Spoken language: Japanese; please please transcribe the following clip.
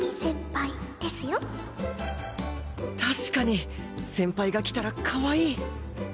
確かに先輩が着たらかわいい！